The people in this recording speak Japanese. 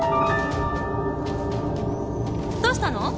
どうしたの？